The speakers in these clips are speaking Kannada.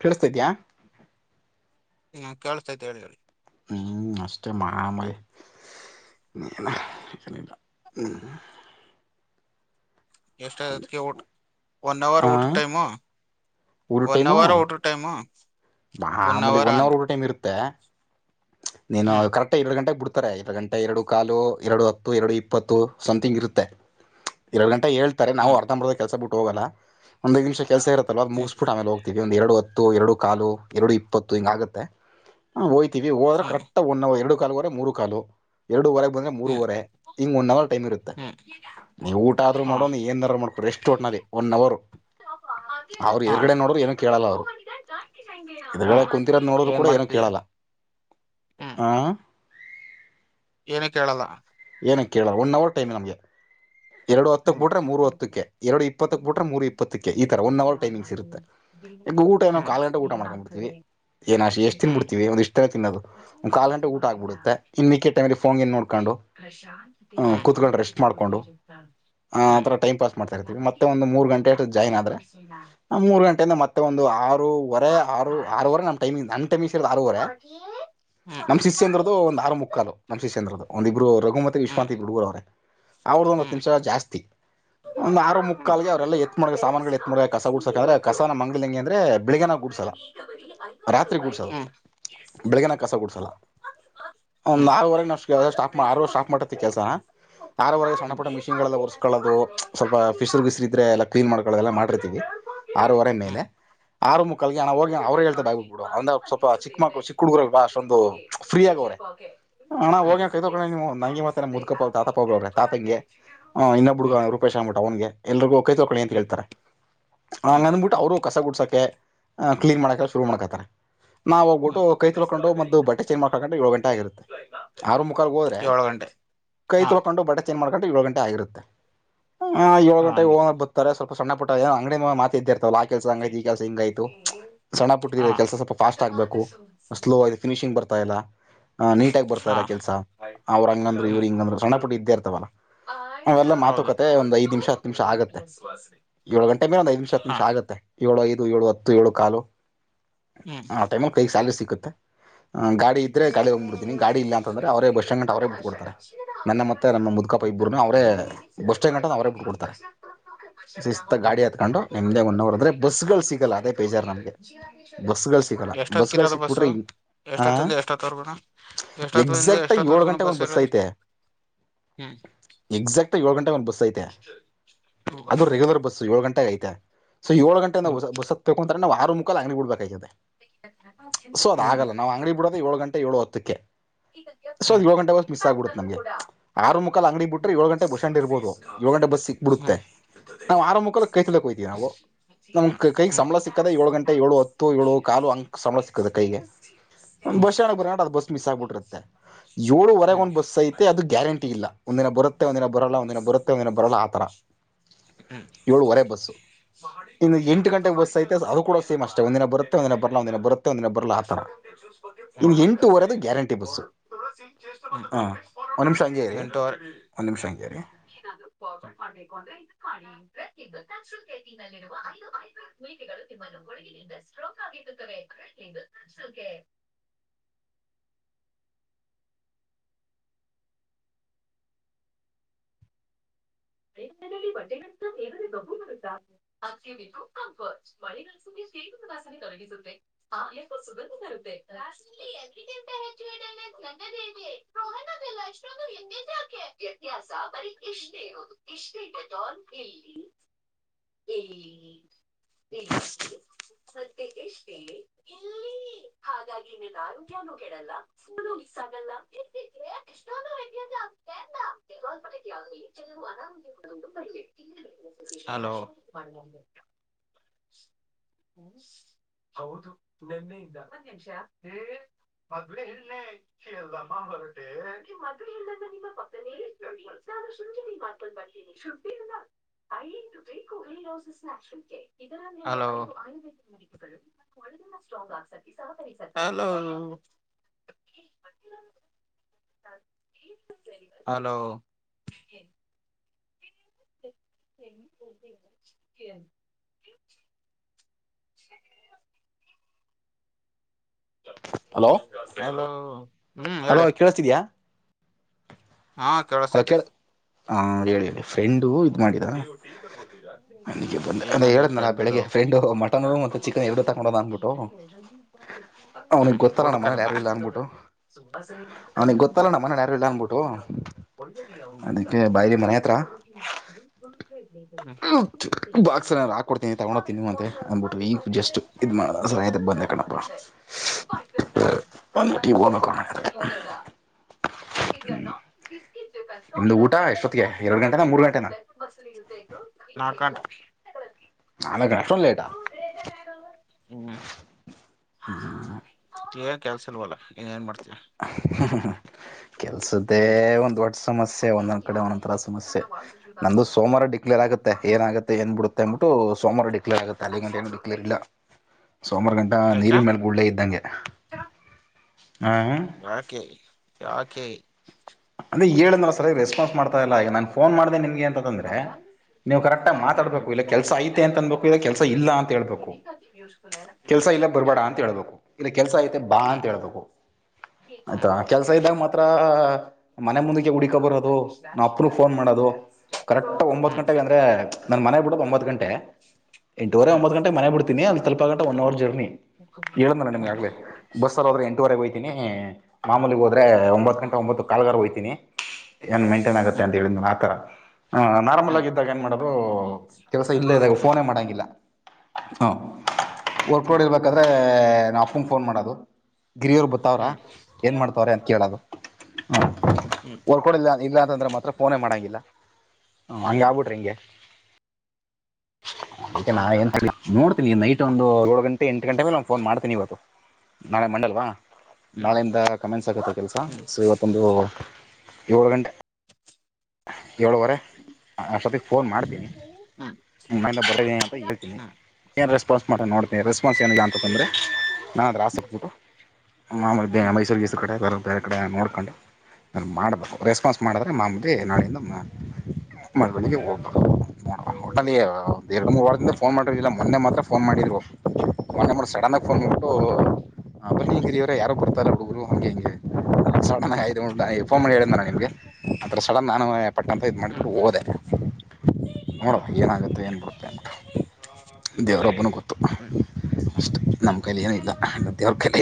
ಕೇಳಿಸತೈತ್ಯಾ ಇ ಕೇಳುಸ್ತೈತೇ ಹೇಳಿ ಹೇಳಿ ಹ್ಮ್ ಅಷ್ಟೇ ಮಾಡ ಆ ಮಲೆ ನೀಮ ಎಷ್ಟ ಅದಕ್ಕೆ ಒನ್ ಅವರ್ ಆ ಊಟ ಟೈಮು ಒನ್ ಅವರ್ ಊಟೋ ಟೈಮ ಬಾ ಆಮೇಲೆ ಒನ್ ಅವರ್ ಊಟ ಟೈಮ್ ಇರುತ್ತೆ ನೀನು ಹ್ಮ್ ಕರೆಕ್ಟ್ ಎರಡು ಗಂಟೆಗೆ ಬಿಡುತ್ತೆ ಎರಡು ಗಂಟೆ ಎರಡು ಕಾಲು ಎರಡು ಹತ್ತು ಎರಡು ಇಪ್ಪತ್ತು ಸಮಥಿಂಗ್ ಇರುತ್ತೆ ಎರಡು ಗಂಟೆ ಹೇಳ್ತಾರೆ ನಾವು ಹ್ಮ್ ಅರ್ಧಬರ್ದ ಕೆಸ ಬಿಟ್ಟ ಹೋಗಲ್ಲ ಒಂದೈದು ನಿಮಿಷ ಕೆಸ ಇತ್ತಲ್ ಅದು ಮುಗಸ್ಬಿ ಆಮೇಲೆ ಹ್ತೀವಿ ಒಂದ ಎರಡುತ್ತು ಎರಡು ಕಾಲು ಎರಡು ಇಪ್ಪತ್ತು ಹಿಂಗ ಆಗುತ್ತೆ ಹೋಯ್ತೀವಿ ಹೋದ್ರೆ ಹ್ಮ್ ಹ್ಮ್ ಕರೆಕ್ಟ್ ಒನ್ ಎರಡು ಕಾಲ್ರೆ ಮೂರು ಕಾಲು ಎರಡುವರೆಗೆ ಬಂದ್ರೆ ಹ್ಮ್ ಮೂರವರೆ ಇನ್ ಒನ್ ಅವರ್ ಟೈಮ್ ಇರುತ್ತೆ ಹ್ಮ್ ನೀವು ಊಟ ಆದ್ರರು ಹಾ ಮಾಡೋ ನೀ ಏನಾರ ಮಾಡ್ಕೊ ಎಷ್ಟು ಒಟ್ನದ ಒನ್ ಅವರು ಹಾ ಅವರು ಹಾ ಎರಡೆ ನೋಡರು ಏನೋ ಕೇಳಲ್ಲ ಅವ್ರು ಎದ್ರಗಡೆ ಕುಂತರೋದ್ ನೋಡಿದ್ರು ಏನ್ ಕೂಡ ಏನೋ ಮಾಡ್ತೀಯ ಕೇಳಲ್ಲ ಆ ಏನ ಕೇಳಲ್ಲ ಏನ ಕೇಳೋಲ್ಲ ಒನ್ ಅವರ್ ಟೈಮ್ ನಮಗೆ ಎರಡು ಹತ್ತಕ್ಕೆ ಹ್ಮ್ ಬಿಟ್ರೆ ಮೂರು ಹತ್ತಕ್ಕೆ ಎರಡು ಇಪ್ಪತ್ತಕ್ಕೆ ಬಿಟ್ರೆ ಮೂರು ಇಪ್ಪತ್ತಕ್ಕೆ ಈ ತರ ಒನ್ ಅವರ್ ಟೈಮಿಂಗ್ಸ್ ಇರುತ್ತೆ ಹ್ಮ್ ಆತದೆ ಏನಶ ಎಷ್ಟ್ ತಿನ್ ಬಿಡ್ತಿವಿ ಒಂದ ಇಷ್ಟ ತಿನ್ನೋದು ಕಾಲ್ ಗಂಟೆ ಊಟ ಆಗ್ಬಿಡುತ್ತೆ ಇನ್ನು ಮಿ ಟೈಮಲ್ಲಿ ಫೋನ್ ನ್ ನೋಡ್ಕೊಂಡು ಹ್ಮ ಕೂತ್ಕೊಂಡು ರೆಸ್ಟ್ ಮಾಡಿಕೊಂಡು [unintelligible] ಆ ಆಥರ ಟೈಮ್ ಪಾಸ್ ಮಾಡ್ ತಿರ್ತೀವಿ ಮತ್ತೆ ಒನ್ ಮೂರು ಗಂಟೆ ಅಷ್ಟ ಜಾಯ್ನ್ ಆದ್ರೆ ನಾ ಮೂರು ಗಂಟೆಯಿಂದ ಮತ್ತೆ ಒಂದು ಆರೂವರೆ ಆರು ಆರೂರೆ ನಮ್ಮ ಟೈಮಿಂಗ್ ನನ್ನ ಟೈಮಿ್ ಸೇರಿದ ಆರೂವರೆ ನಮ್ ಶಿಷ್ಯ ಅಂದ್ರದದು ಒಂದು ಆರು ಮುಕ್ಕಾಲು ನಮ್ ಶಿಷ್ಯ ಅಂದ್ರದದು ಒ ರಘುಮತಿ ಹ್ಮ್ ವಿಶ್ವಾತಿ ಹುಡುಗರ ಅವ್ರೇ ಅವ್ರದ್ದು ಮತ ಹ್ಮ್ ನಿಮಿಷ ಜಾಸ್ತಿ ಒಂದು ಆರು ಮುಕ್ಕ ಕಾಲಗೆ ಅವರೆಲ್ಲ ಎತ್ ಮಾಡಿದ ಸಾಮಾನಗಳು ಎತ್ ಮಾಡೋ ಕಸ ಗುಡ್ಸೋಕೆರರೆ ಹ್ಮ್ ಕಸನಂಗ್ಳ ಹೆಂಗೆ ಅಂದರೆ ಬೆಳಗ್ನಾಗ ಗುಡಸಲ್ಲ ಐತ್ತುಪಾಯ ಬೆಳಗನಾಗ ಕಸ ಗೋಡ್ಸಲ್ಲ ಒಂದ್ ಆದ್ರೆ ನಾಲ್ವರೆಗೆ ನ ಸ್ಟಾಕ್ ಆರವರೆ ಸ್ಟಾಕ್ ಮಾಡತಿ ಕೆಲಸ ಯಾರವಗೆ ಸಣ್ಣಪಟ್ಟ ಮಿಷನ್ ಗಳೆಲ್ಲ ಉರುಸ್ಕೊಳ್ಳದು ಸ್ವಲ್ಪ ಫಿಶರ್ಸಿದ್ರೆ ಎಲ್ಲ ಕ್ಲೀನ್ ಮಾಡ್ಕೊಳ್ಳ ಎಲ್ಲ ಮಾಡಿರ್ತೀವಿ ಆರೂರೆ ಮೇಲೆ ಆರು ಮು ಕಗೆ ಹೋಗಿ ಅವರು ಹೇಳ್ಾ ಬ್ಬಿಡು ಅಂದ್ರ ಸ್ವಪ ಚಿಕ್ಕ ಮಕ್ಳು ಚಿಕ್ಕ ಹುಡುಗರಲ್ವಾ ಪ ಹಣ ಹೋಗ ಕೈತೊಂಡ ನೀವು ನಂಗಿ ಮತ ಮುದ್ಕಪ್ಪ ತಾತಾಪಬ್ರ ತಾತಂಗೆ ಇನ್ನ ಬುಡುಗ ಹ್ಮ್ ರೂಪೇಶ ಟೌನ್ ಗೆ ಎಲ್ರಿಗೂ ಕೈತ ಹಕೊಳ್ಳಿ ಅಂತ ಹ್ಮ್ ಕೇಳ್ತಾರೆ ಹಂಗಂದ್ಬಿಟ್ಟು ಅವರು ಕಸ ಗುಡ್ಸೋಕೆ ಕ್ಲೀನ್ ಮಾಡಕಲ್ಲ ಶುರು ಮಾಡ್ಕತಾರೆ ನಾ ನಾ ಹೋಗ್ಬಿಟ್ಟು ಹ್ಮ್ ಕೈ ತೊಳ್ಕೊಂಡು ಮತ್ತು ಬಟ್ಟೆ ಚೇಂಜ್ ಮಾಡ್ಕೊಂಡು ಏಳು ಗಂಟೆ ಆಗರುತ್ತೆ ಆರ ಮುಖಲೂ ಹೋದ್ರೆ ಏಳು ಗಂಟೆ ಕೈ ಹಾ ತೊಳ್ಕೊಂಡು ಬಟ್ಟೆ ಚೇಂಜ್ ಮಾಡ್ಕೊಂಡು ಏಳು ಗಂಟೆ ಆಗಿರುತ್ತೆ ಆ ಏಳು ಹ ಗಂಟೆಗೆ ಹಂಗೆ ಬರ್ತಾರೆ ಸ್ವಲ್ಪ ಸಣ್ಣ ಪುಟ್ಟ ಏನ್ ಅಂಗಡಿ ಮಾತ ಇದಿದ್ದರ್ತವೆವುಾ ಕೆಸ ಹಂಗ್ತ ಈ ಕೆಸ ಹಿಂಗ ಆಯಿತು ಸಣ್ಣ ಹಾ ಪುಟ್ಟ ಕೆಲಸ ಸ್ವಪ ಫಾಸ್ಟ್ ಆಗ್ಬೇಕು ಸ್ಲೋಫಿನಿಂಗ್ ಬತ ಆ ನೀಟ ಆಾಗಿ ಬರ್ತ ಹಾ ಇಲ್ಲ ಕೆಲ್ಸ ಅವ್ರ ಹಂಗಂದ್ರು ಇವ್ರ ಹ್ಮ್ ಹಿಂಗಂದ್ರು ಸಣ್ಣ ಪುಟ್ಟ ಇದ್ದೆ ಇರ್ತವಲ್ಲ ಅವೆಲ್ಲ ಹೌದು ಮಾತುಕತೆೆ ಒಂದ್ ಐದ್ ನಿಮಿಷ ಹತ್ತು ನಿಮಿಷ ಆಗತ್ತೆ ಏಳು ಗಂಟ ಮೇಂದಐಮ್ಷ ಹ ಹಾ ನಿಮಿಷ ಆಗತ್ತ ಏಳುದು ಏಳು ಹತ್ತು ಏಳು ಕಾಲು ಆ ಟೈಮಲ್ಲಿ ಕೈಗೆ ಸಲ್ರಿ ಸಿಗುತ್ತೆ ಹ್ಮ್ಷ ಅಂತಂದ್ರೆ ಅವರೇ ಬಸ್ ಾಯ ಸ್ಟ್ಯಾಂಡ್ ಗಂಟ ಅವರೇ ಬಿಟ್ಕೊಡ್ತಾರೆ ನನ್ನ ಮತ್ತೆ ನಮ್ಮ ಮುದ್ಕಪ್ಪ ಇಬ್ಬರನ್ನ ಅವರೇ ಬಸ್ ಸ್ಟ್ಯಾಂಡ್ ಗಂಟ ಅವರೇ ಬಿಟ್ಕೊಡ್ತಾರೆ ಶಿಸ್ತಾಗಿ ಗಾಡಿ ಹತ್ಕೊಂಡು ನಿಮ್ದೇ ಒನ್ ಅವರ್ ಆದ್ರೆ ಬಸ್ಗಳು ಸಿಗಲ್ಲ ಅದೇ ಬೇಜಾರ್ ನಮ್ಗೆ ಬಸ್ಗಳು ಸಿಗಲ್ಲ [inaudible] ಎಷ್ಟತ್ ಬಸ್ಗಳು ಕಿರದು ಬಸ್ ಸಿಕ್ಬಿಟ್ರೆ ಇನ್- ಎಷ್ಟ ಆ ಎಷ್ಟತ್ತಂದ ಎಷ್ಟತ್ತವರೆಗೂ ಎಷ್ಟತ್ತರಿಂದ ಎಕ್ಸಾಕ್ಟ್ ಆಗಿ ಏಳು ಎಷ್ಟತ್ತವರೆಗೂ ಗಂಟೆಗೆ ಬಸ್ ಒಂದು ಇರದು ಐತೆ ಎಕ್ಸಾಕ್ಟ್ ಏಳು ಗಂಟೆ ಒಂದು ಬಸ್ಸ ಐತಿ ಹ್ಮ್ ಅದು ರೆಗ್ಯುಲರ್ ಬಸ್ ಏಳು ಗಂಟೆಗೆ ಐತೆ ಸೊ ಏಳ ಗಂಟ ನ ಹ್ಮ್ ಬಸಕ್ ತಗೊಂತಾರೆ ನಾವುರು ಮುಖಾ ಅಂಗಡಿ ಬಿಡ್ಬೇಕೈತೆ ಹ [inaudible] ಸೊ ಅದ ಆಲ್ಲ ನಾ ಅಂಗಡಿ ಬಿಡೋದು ಏಳ ಗಂಟೆ ಏಳುತ್ತಕ್ಕೆ ಸೊ್ ಹ್ಮ್ ಏಳು ಗಂಟೆವಸ್ು ಮಿಸ್ ಆಗ್ಬಿಡತ್ ನಮ್ಗೆ ಆರು ಮುಖಾ ಅಂಗಡಿ ಬಿ್ರೆ ಏಳು ಗಂಟ ಬಸ್ ಸ್ಟಂಡ್ ಇಬಹ ಏು ಗಂಟ ಬಸ್ ಸಿಕ್ ಬಿಡುತ್ತೆ ನಾ್ ಆರ ಮುಖಕ್ಕಲ್ ಕೈ ಕೊ್ತೀವಿ ನಾವು ನಮ್ಗೆ ಕೈಗೆ ಸಂಬಳ ಸಿಕ್ಕದೆ ಏಳು ಗಂಟೆ ಏಳು ಹತ್ತು ಏಳು ಕಾಲು ಅಂಕ್ ಸಂಬಳ ಸಿಕ್ಕ ಕೈಗೆ ಒ ಬಸ್ಣ ಬರ ಅದು ಬಸ್ ಮ್ ಏಳುುವರೆಗೆ ಒಂದು ಬಸ್ ಸಐತೆ ಅದು ಗ್ಯಾರಂಟಿ ಇಲ್ಲ ಒಂದ ದಿನ ಬರುತ್ತೆ ಒಂದ ದಿನ ಬರಲ್ಲ ಒಂದಿನ ಬರುತ್ತೆ ಒಂದಿನ ಬರಲ್ಲ ಆತರ ಏಳುುವರೆ ಬಸ್ಸ ಬಾ ಮನೆ ಹೊಸ ಬಾಡಿಗೆ ಅವರುು ಕೂಡ ಸೇಮ್ ಏನಪ್ಪಾ ಅಷ್ಟೇ ಒಂದಿನ ಬರುತ್ತೆ ದೇಗೆ ಒಂದಿನ ಬರಲ್ಲ ನೆಗಡಿದ ಒಂದಿನ ಬರುತ್ತೆ ಒಂದಿನ ಬರಲ್ಲ ಆ ಥರ ಅಶ್ವಗಂಧೆ ಜ್ಯೂಸ್ ಬಗ್ಗೆ ಫೋ ಇನ್ನು ಎಂಟುವರೆದು ಕಸಿದ್ದೇನೆ ಗ್ಯಾರಂಟಿ ಒಂದು್ ನಿಮಿಷ ಹಂಗೆ ರರಿ ಒಂದ್ ನಿಮಿಷ ಹಂ ನ್ದು ಪರ್ಫೆಕ್ಟ್ ಮಾಡ್ಬೇಕು ಅಂದ್ರೆ ಇ್ ಮಾಡಿ ತಿನಲ್ಲಿರುವ ಐದು ಐಬ ಮೀಿಕಗಳು ನಿಮ್ಮನ್ನು ಉಳಗಿನಿಂದ ಸ್ಟ್ರೋಕ್ ಆಗಿರುತ್ತವೆ ದುಕೆ ಹಾ ಹ [inaudible] [inaudible] ಬಟ್ಟೆಗಳಂತ ಬೇಗರೆ ಬಹು ಬರುತ್ತ [unintelligible] ತೊಗಿಸುತ್ತೆ ಆ ಸುಗಂ ಬರುತ್ತೆ ರೋಹ ಎಂದ ಆಕೆ ವ್ಯತ್ಯಾಸ ಬರೀ ಇಷ್ಟೇ ಇರದು ಇಲ್ಲಿ ಎಲ್ಲಿ [inaudible] ಸದಕ್ಕೆ ಎಷ್ಟ ಹೇಳಿ ಇಲ್ಲಿ ಹಾಗಾಗಿ ನನು ಆರೋಗ್ಯನುೂ ಕೆಡಲ್ಲು ಸಗಲ್ಲ ಎಷ್ಟೊ ಹಲೋ ಹ ಹೌದು ನೆನ್ನೆಯಿಂದಷ ಮದ್ವೆೆ ಎಣನೆ ಇಚ್ಚೆ ಅಲ್ಲಮ್ಮ ಹೊರಟೆ ಮದ್ ಇಲ್ಲ ನಿಮ್ಮ ಪ ಸುಂಜ ನೀ ಮಾತ ಬರ್ತೀನಿ ಶು್ದಿ ಬೇಕು ಇದರಲ್ಲಿ ಆಯುರ್ೇದ [unintelligible] ಸ್ಟ್ರಾಂಗ್ ಆಗ್ಸತಿ ಸಹಕ ಹಾ ಹಲೋ. ಹ ಸ ಹಲೋ ಹಲೋ ಹ್ಮ್ ಹಲೋ ಹೇಳಿ ಕೇಳಸ್ತಿದಯಾ ಹಾ ಹಲೋ ಕೇಳಸ್ತೈತ್ರಿ ಕೇಳ್ ಹಾ ಹೇಳಿ ಹೇಳಿ ಫ್ರೆಂಡು ಮಾಡಿದ ನನಗೆ ಬಂದೆ ಏನ್ರ ಅದೇ ಹೇಳಿದ್ನಲ್ಲ ಬೆಳಿಗ್ಗೆ ಫ್ರೆಂಡು ಮಟನು ನ ಹ ಮತ್ತು ಚಿಕನ್ ಎರಡು ತಗೊಂಡೋದ ಅಂದ್ಬಿಟ್ಟು ಅವ್ನಿಗೆ ಗೊತ್ತಲ್ಲ ಊಟಕ್ ನಮ್ಮ ಕರುಧ್ನ. ಅವನಿಗೆ ಗೊತ್ತಲ್ಲ ನಮ್ಮನೇಲಿ ಯಾರು ಇಲ್ಲ ಅಂದಬಿಟ್ಟು. ಒಳಗೋಗಿ ಅವನು ಬಂದಾರ [unintelligible] ಬಾಕ್ಸ್ ಏನರ ಹಾಕೊಡ್ತೀನಿ ತಗೊಂಡ್ ಹೊಗಿ ತಿನ್ನುವಂತೆ ಅಂದಬಿಟ್ವಿ ಈ ಜಸ್ಟ್ ಇದ್ ಮಾಡ [unintelligible] ಬಂದೆ ಕಣಪ್ಪ ಬಂದ್ ಬಿಟ್ಟು ಈಗ ಹೋಗ್ಬೇಕು ಮನೆ ಕಡೆ. ಕಟ್ [unintelligible] ನಿಮ್ದು ಊಟ ಎಷ್ಟೊತ್ತಿಗೆ ಎರಡು ಗಂಟೆನಾ ಮೂರ್ ಗಂಟೆನ. ನಾಕ್ ಗಂಟೆ ನಾಲಕ್ಕ ಅಷ್ಟೊಂದು ಲೇಟಾ. ಹ ಹ್ಮ ಏನ್ ಕೆಲ್ಸಲ್ವಲ್ಲಾ ಇನ್ ಏನ್ ಮಾಡ್ತೀಯ. ಹ ಹ. ಕೆಲ್ಸದ್ದೇ ಒಂದ್ ದೊಡ್ಡ ಸಮಸ್ಯೆ ಒಂದೊಂದ್ ಕಡೆ ಒಂದೊಂದ ತರ ಸಮಸ್ಯೆ ನಂದು ಸೋಮವಾರ ಡಿಕ್ಲೇರ್ ಆಗ ಗುತ್ತೇ ಏನಾಗುತ್ತೆ ಏನ್ ಬಿಡುತ್ತೆ ಅಂದ್ಬಿಟ್ಟು ಸೋಮವಾರ ಡಿಕ್ಲೇರ್ಗುತ್ತೆ ಅಲ್ಲಿಗಂಟ ಏನು ಡಿಕ್ಲೇರ್ ಇಲ್ಲ. ಸೋಮಾರಗಂಟಾ ಯಾಕ ನೀರಿನ್ ಮೇಲ್ ಗುಳ್ಳೆ ಇದ್ದಂಗೆ ಹ. ಯಾಕೆ ಯಾಕೆ. ಆಯಾ ಅಂದ್ರೆ ಹೇಳಿದ್ಹ್ನಾಲ ಸರಿ ರೆಸ್ಪಾನ್ಸ್ ಮಾಡತ ಇಲ್ಲ ಈಗ ನನ್ ಫೋನ್ ಮಾಡ್ದೆ ನಿಮಗೆ ಅಂತ ಅಂದ್ರೆ ನೀವು ಕರೆಕ್ಟ್ಗ ಹ್ಮ್ ಮಾತಡ್ಬೇಕ ಇಲ್ಲ ಕೆಲಸ ಐತೆ ಅಂತ ಅನ್ಬೇಕು ಇಲ್ಲ ಕೆಲಸ ಇಲ್ಲ ಅಂತ ಹೇಳ್ಬೇಕು ಕೆಲ್ಸ ಇಲ್ಲ ಬರ್ಬೇಡ ಅಂತ ಹೇಳ್ಬೇಕು. ಇಲ್ಲ ಕೆಲ್ಸ ಐತೆ ಬಾ ಅಂತ ಹೇಳ್ಬೇಕು ಆಯ್ತಾ ಕೆಲ್ಸ ಇದ್ದಾಗ ಮಾತ್ರ ಮನೆ ಮುಂದಕ್ಕೆ ಹುಡಿಕಬರೋದು ನಾ ಅಪ್ಪನಿಗೆ ಫೋನ್ ಮಾಡೋದು ಕರೆಕ್ಟ್ ಒಂಬತ್ ಹ್ಮ್ ಗಂಟೆಗೆ ಅಂದ್ರೆ ನ ಮನೆ ಬಿಡೋದು ಒಂಬತ್ ಗಂಟೆ ಎಂಟೂವರೆ ಒಂಬತ್ ಗಂಟೆ ಮನೆ ಬಿಡ್ತೀನಿ ಅಲ್ಲಿ ತಲ್ಪಗಂಟ ಒನ್ ಅವರ್ ಜರ್ನಿ. ಹೇಳುದ್ನಲ ನಿಮ್ಗ್ ಹ್ಮ್ ಆಗ್ಲೆ ಬಸ್ಸಲ್ಲಿ ಹೋದ್ರೆ ಎಂಟೂವರೆಗೆ ಹೋಗ್ತೀನಿ ಮಾಮೂಲಿ ಹೋದ್ರೆ ಒಂಬತ್ ಗಂಟೆ ಒಂಬತ್ತು. ಕಾಲ್ಗಾರ್ ಹೊಯ್ತಿನಿ ಏನ್ ಮೇಂಟೈನ್ ಆಗುತ್ತೆ ಅಂತ ಹೇಳಿದ್ನಾಲಾ ಆತರ. ಹ ನಾರ್ಮಲ್ ಆಗಿದ್ದಾಗ ಏನ್ ಮಾಡೋದು ಕೆಲಸ ಇಲ್ಲೇ ಇದಾಗ ಫೋನೇ ಮಾಡಂಗಿಲ್ಲ. ಹ್ಮ್ಮ್ ವರ್ಕ್ ಹ್ಮ್ ಲೋಡ್ ಇರ್ಬೇಕಾದ್ರೆ ನಮ್ ಅಪ್ಪಂಗ್ ಫೋನ್ ಮಾಡೋದು. ಗಿರಿ ಅವ್ರು ಬತ್ತಾವ್ರ ಹ್ಮ್ ಏನ್ ಮಾಡ್ತಾವ್ರೆ ಅಂತ ಕೇಳದು ಹ ಹ್ಮ್ ವರ್ಕ್ ಲೋಡ್ ಇಲ್ಲ ಅಂ ಇಲ್ಲ ಅಂತಂದ್ರೆ ಮಾತ್ರ ಫೋನೇ ಮಾಡಂಗಿಲ್ಲ ಹ ಹಂಗ್ ಹ್ಮ್ ಆಗ್ಬಿಟ್ರಿ ಹೆಂಗೆ. ಅದ್ಕೆ ನಾ ಏನ್ ಆತರ ನೋಡ್ತೀನಿ ನೈಟ್ ಒಂದು ಏಳು ಗಂಟೆ ಎಂಟು ಹ್ಮ್ ಗಂಟೆ ಮೇಲೆ ಒಂದು ಫೋನ್ ಮಾಡ್ತನಿ ಇವತ್ ನಾಳೆ ಮೊಂಡಲ್ವಾ. ಹ್ಮ್ ನಾಳೆಯಿಂದ ಕಾಮೆನ್ಸ್ ಆಗುತ್ತೆ ಕೆಲಸ ಹ್ಮ್ ಸೊ ಇವತ್ತೊಂದು ಏಳು ಗಂಟೆ ಏಳುವರೆ. ಅಷ್ಟೊತ್ತಿಗೆ ಫೋನ್ ಮಾಡ್ತೀನಿ ಹ್ಮ್ ಮನೆ ಇಂದ ಬರ್ತಾದಿನಿ ಅಂತ ಹೇಳ್ತೀನಿ ಹ್ಮ್ ಏನ್ ರೆಸ್ಪಾನ್ಸ್ ಮಾಡ ನೋ ನೋಡ್ತೀನಿ ರೆಸ್ಪಾನ್ಸ್ ಏನಿಲ್ಲ ಹ್ಮ್ ಅಂತಂದರೆ ನಾನು ಅದರ ಅಸೆಬಿಟು ಮಾಮೂಲಿ ಹ್ಮ್ ಮೈಸೂರು ಗೀಸೂರು ಕಡೆ ಬರೋದು. ಬೇರೆ ಕಡೆ ನೋಡ್ಕೊಂಡು ಏನರ ಮಾಡಬೇಕು ರೆಸ್ಪಾನ್ಸ್ ಮಾಡಿದ್ರೆ ಮಾಮೂಲಿ ಹ್ಮ್ ನಾಳೆಯಿಂದ ನೋಡ್ ಮಳವಳ್ಳಿಗೆ ಹೋಗ್ಬೇಕು ಒಟ್ನಲ್ಲಿ ಒಂದ್ ಎರಡು ಮೂರು ವಾರದಿಂದ ಫೋನ್ ಮಾಡಿರದಿಲ್ಲ ಮೊನ್ನೆ ಮಾತ್ರ ಫೋನ್ ಮಾಡಿದ್ರು. ಒ ನ ಸಡದಫೋನ್ಟ್ಟ ಹ್ಮ್ ಬ ಯಾರೋ ಕೊಡ್ತಾರ ಹುಡುಗುರು ಹಂಗೆ ಹಂಗೆ ಫೋನ್ಿ ಹೇಳಾರ ನಿಮ್ಗೆ ಆಥರ ಸಡನ್ ನಾನು ಪಟ್ಟಂತ ಇದು ಹ್ಮ್ ಮಾಡಬಿಟ್ಟು ಹ್ಮ್ ಓದೆ ನೋಡು ಏನಾಗುತ್ತೆ ಏನ್ ಬಡುತ್ತೆ ಅಂತ. ದೇವರೊಬ್ಬನು ಗೊತ್ತು ಅಷ್ಟೇ ನಮ್ಮ್ ಕೈಲಿ ಏನೂ ಇಲ್ಲ ಹ್ಮ್ ದೇವ್ರ ಕೈಲೆ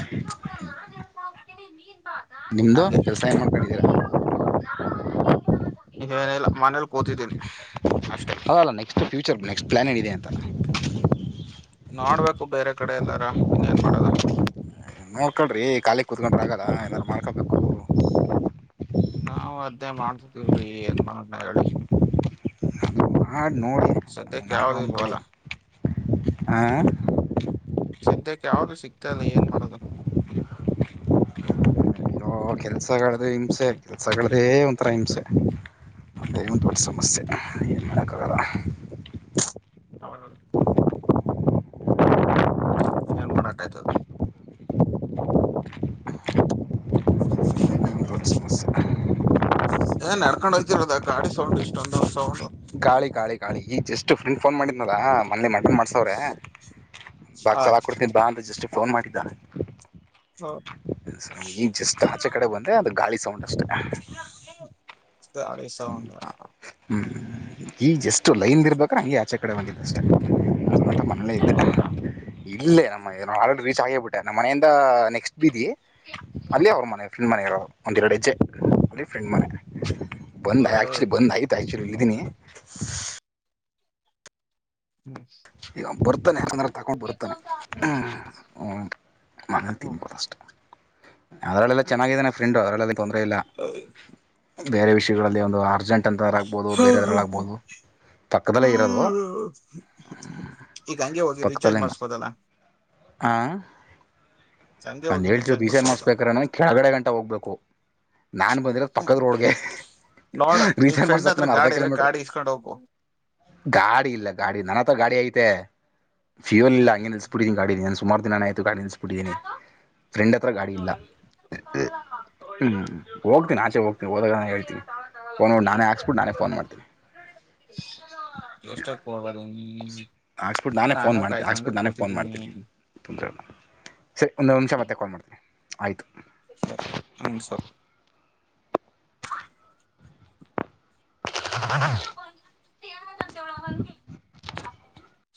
[unintelligible] ನಿಮ್ದು ಹಂಗೆ ಕೆಲ್ಸ ಏನ್ ಮಾಡ್ಕೊಂಡಿದ್ದೀರ. ಏನಿಲ್ಲ ಮನೇಲಿ ಕೂತಿದ್ದೀನಿ. ಅಷ್ಟೇ ಅಲಲ್ಲ ನೆಕ್ಸ್ಟ್ ಫ್ಯೂಚರ್ ನೆಕ್ಸ್ಟ್ ಪ್ಲ್ಲಾನ್ ಏನಿದೆ ಅಂತ. ನೋಡ್ಬೇಕು ಬೇರೆ ಕಡೆ ಎಲ್ಲಾರ. ಇನ್ನೇನ್ ಮಾಡದ ನೋಡ್ಕಳ್ರಿ ಕಾಲಿ ಕೂತ್ಕೊಂಡ್ರೆ ಆಗಲ್ಲ ಏನಾರ. ಮಾಡ್ಕಬೇಕು. ನಾವು ಅದ್ದೇ ಮಾಡ್ಸತಿೀವ್ರಿ ಏನ್ ಮನನ ಹೇಳಿ ಆ ಸದ್ಯಕ್ಕೆ ಯಾವ್ದು ನೋಡಡಿರಮಂದು ಇಲ್ವಲ್ಲ ಹ ಸದ್ಯಕ್ಕೆ ಯಾವ್ದೂ ಸಿಗ್ತಲ್ಲ ಏನ್ ಮಾಡೋದು ಓ ಕೆಲ್ಸದ್ರೆ ಹಿಂಸೆ ಕೆಲ್ಸಗಳದೆ ಒಂಥರ ಹಿಂಸೆ ಮತ್ತ ಒ ದೊಡ್ಡ ಸಮಸ್ಯೆ ಏನ್ ಮಾಡಕ್ಕಾಗಲ್ಲ ತಮನದು ಏನ್ ಮಾಡಟ ಆಯ್ತದೆ ಅದೊಂದ್ ದೊಡ್ಡ ಸಮಸ್ಯೆ ಏನ್ ನಡ್ಕೊಂಡ್ ಹೋಗ್ತಿರದ ಆ ಗಾಡಿ ಸೌಂಡ್ ಇಷ್ಟೊಂದ್ ಸೌಂಡ್ ಗಾಳಿ ಗಾಳಿ ಗಾಳಿ ಈ ಜಸ್ಟ್ ಫ್ರೆಂಡ್ ಫೋನ್ ಮಾಡಿದ್ನಲಾ ಮನೆ ಮಟನ್ ಮಾಡ್ಸವ್ರೆ ಬಾಕ್ ಚಲ ಕೊಡ್ತೀನಿ ಬಾ ಅಂತ ಜಸ್ಟ್ ಫೋನ್ ಮಾಡಿದ್ದ ಹ ಈ ಜಸ್ಟ್ ಆಚೆ ಕಡೆ ಬಂದ್ರೆ ಅದು ಗಾಳಿ ಸೌಂಡ್ ಅಷ್ಟೇ ಸ ಸಂದ ಹ್ಮ್ ಈಗ ಎಷ್ಟು ಲೈನ್ ಇರ್ಬೇಕ್ರೆ ಹಂಗೆ ಆಚೆ ಕಡೆ ಹಂಗಿದ್ದ ಅಷ್ಟ ಹ ಹೌದಾ ಇಲ್ಲೇ ನಮ್ಮ ನ ಆಲ್ರೆಡಿ ರೀಚ್ ಆಗೇಬಿಟ್ಟೆ ನಮ್ಮ ಮನೆಯಿಂದ ನೆಕ್ಸ್ಟ್ ಬೀದಿ ಅಲ್ಲಿೇ ಅವ್ರ ಮನೆ ಫ್ರೆಂಡ್ ಮನೆ ಇರೋ ಒಂದ ಎರಡುಜ್ಜೆ ಅಲ್ಲಿ ಫ್ರೆಂಡ್ ಮನೆ ಬಂದ ಎರಡೂ ಆಕ್ಚುಲಿ ಇದು ಬಂದ ಆಯತು ಆಚುಲಿ ಇದೀನಿ ಈಗ ಬರ್ತಾನೆ ತಗೊಂಡು ಬರ್ತಾನೆ ಮಣ್ಣು ಹ್ಮ್ ತಿನ್ಕೋದಷ್ಟು ಅದರಲ್ಲೆಲ್ಲ ಚೆನ್ನಾಗಾಗಿದೆಾನ ಫ್ರೆಂಡು ಅದರಲ್ಲೆಲ್ಲ ತೊಂದರೆ ಇಲ್ಲ ಬೇರೆ ವಿಷಯಗಳಲ್ಲಿ ಒಂದು ಅರ್ಜೆಂಟ್ ಟ್ಟನ್ ಥರ ಆಗ್ಬೋದು ಹ್ಮ್ ಬೇರೆದರಳಾಗ್ಬೋದು ಪಕ್ಕದಲ್ಲೇ ಇರೋದು ಈಗ ಹಂಗೆ ಹೋಗಿ ರೀಚಾರ್ಜ್ ಪಕ್ಕತಲ್ಲಮ್ಮ ಮಾಡ್ಸ್ಬೋದಲ್ಲ ಹಾ ಹಂಗೆ ನಂದ ಹೋಗಿ ಹೇಳ್ತೀವಿ ರೀಚಾರ್ಜ್ ಬೀಸೇನ್ ಮಾಡ್ಬೋದಲ್ಲ ಮಾಡ್ಸ್ಬೇಕ್ರ ನಗೆ ಕೆಳಗಡೆ ಗಂಟೆ ಹೋಗ್ಬೇಕು ನಾನ್ ಬಂದಿರ ಹ್ಮ್ ಪಕ್ಕದ್ ರೋಡ್ಗೆ ನೋಡ ನಿಮ್ ರೀಸೇಲ್ ಫ್ರೆಂಡ್ ಮಾಡ್ಸಕ್ಕೆ ಹತ್ರ ನಾನು ಅರ್ಧ ಗಾಡಿ ಇದ್ರೆ ಕಿಲೋಮೀಟ್ರ್ ಗಾಡಿ ಇಸ್ಕೊಂಡ ಹೋಗು ಗಾಡಿ ಇಲ್ಲ ಗಾಡಿ ನನತ್ರ ಗಾಡಿ ಆಐ್ತ ಮ ಫ್ಯೂಲ್ ಇಲ್ಲ ಹ್ಮ್ ಹಂಗೆ ನಿಲ್ಸ್ಬಿಟ್ಟೀನಿ ಗಾನ ನಾನು ಸುಮಾರ ದಿನಾನಯ್ತು ಗಾಡಿ ನಿಲ್ಸ್ಬಿಟ್ಟೀಿನಿ ಫ್ರೆಂಡ್ ಹತ್ರ ಗಾಡಿ ಇಲ್ಲ ಹ್ಮ್ ಹೋಗ್ತೀನಿ ಆಚೆ ಹೋಗ್ತೀನಿ ಹೋದಾಗ ನಾನು ಈರುಳ್ಳಿಯಲ್ಲ ಹೇಳ್ತೀನಿ ತಾವ ತಾವಲ್ಲ ಫೋನ್ ಮಾಡಿ ನಾನೇ ಹಾಕ್ಸ್ಬಿಟ್ಟು ನಾನೇ ಫೋನ್ ಮಾಡ್ತೀನಿ ದಷ್ಟಟ ಪಬೇಕ ಹಾಕ್ಸ್ಬಿು ನಾನೇ ಫೋನ್ ಮಾಡ್ತಿ ಹಾಕ್ಸ್ಬಿು ನಾನೇ ಫೋನ್ ಮಾಡ್ತೀನಿ ತುರೆ ಸರಿ ಒಂದು ನಿಮಷ ಮತ್ತ ಕಲ್ ಮಾಡ್ತೀನಿ ಆಯ್ತು ಸ ಹ ಸ ಹ ಯ